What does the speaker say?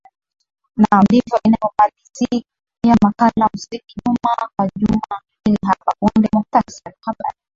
naam ndivyo inavyomalizia makala muziki jumaa kwa juma hili hapa punde muktasari wa habari